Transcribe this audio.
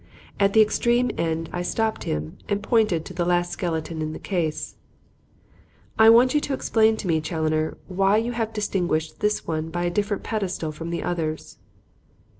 At the extreme end I stopped him and pointed to the last skeleton in the case. "I want you to explain to me, Challoner, why you have distinguished this one by a different pedestal from the others."